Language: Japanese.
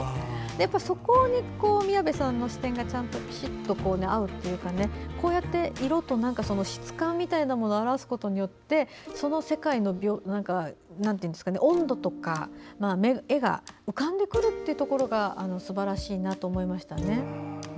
やっぱりそこに宮部さんの視点が合うというかこうやって色と質感みたいなものを表すことによってその世界の温度とか画が浮かんでくるところがすばらしいなと思いましたね。